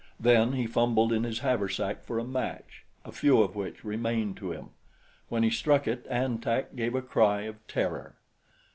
Then he fumbled in his haversack for a match, a few of which remained to him. When he struck it, An Tak gave a cry of terror.